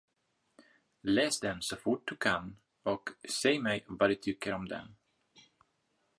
Läs den, så fort du kan, och säg mig vad du tycker om den!